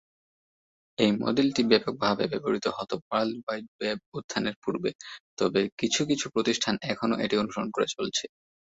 এই মডেলটি ব্যপকভাবে ব্যবহৃত হতো ওয়ার্ল্ড ওয়াইড ওয়েব উত্থানের পূর্বে, তবে কিছু কিছু প্রতিষ্ঠান এখনো এটি অনুসরণ করে চলছে।